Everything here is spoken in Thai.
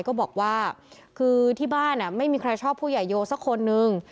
ก็บอกว่าคือที่บ้านไม่มีใครชอบผู้ใหญ่โยสักคนนึง